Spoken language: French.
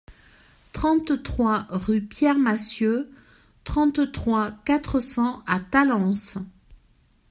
trente-trois rue Pierre Massieux, trente-trois, quatre cents à Talence